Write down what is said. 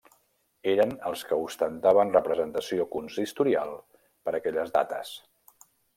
Eren els que ostentaven representació consistorial per aquelles dates.